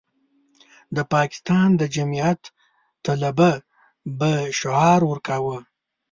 د پاکستان د جمعیت طلبه به شعار ورکاوه.